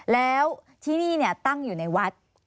แล้วที่นี่ตั้งอยู่ในวัด